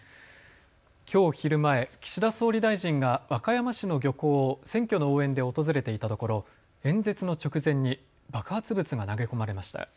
きょう昼前、岸田総理大臣が和歌山市の漁港を選挙の応援で訪れていたところ演説の直前に爆発物が投げ込まれました。